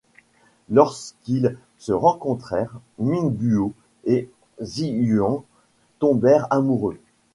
Lorsqu'ils se rencontrèrent, Ming Guo et Zi Yuan tombèrent amoureux.